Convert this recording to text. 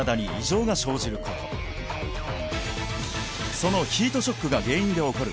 そのヒートショックが原因で起こる